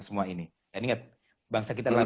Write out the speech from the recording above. semua ini dan ingat bangsa kita adalah